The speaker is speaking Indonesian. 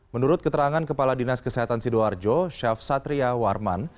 menurut keterangan kepala dinas kesehatan sidoarjo chef satria warman